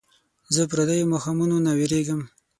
زه پردیو ماښامونو نه ویرېږم